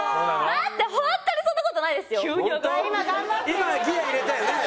今ギア入れたよね。